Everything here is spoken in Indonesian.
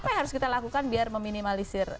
apa yang harus kita lakukan biar meminimalisir